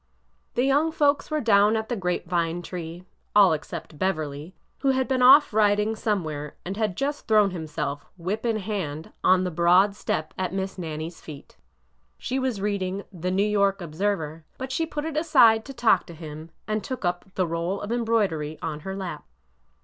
The young folks were down at the grape vine tree, — all except Beverly, who had been off riding somewhere and had just thrown himself, whip in hand, on the broad step at Miss Nannie's feet. She was reading The New York Observer," but she put it aside to talk to him, and took up the roll of embroidery on her lap.